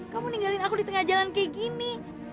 kamu ninggalin aku di tengah jalan kayak gini